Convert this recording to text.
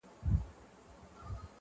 خداى وركړي عجايب وه صورتونه٫